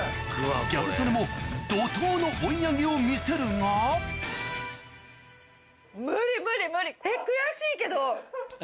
ギャル曽根も怒濤の追い上げを見せるが悔しいけど。